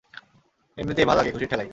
এমনিতেই,, ভাল্লাগে, খুশির ঠ্যালায়!